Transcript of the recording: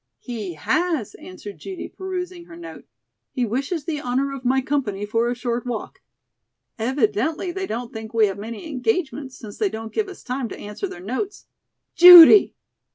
"He has," answered Judy, perusing her note. "He wishes the honor of my company for a short walk. Evidently they don't think we have many engagements since they don't give us time to answer their notes." "Judy!"